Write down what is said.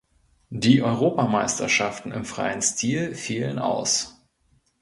Die Europameisterschaften im freien Stil fielen aus.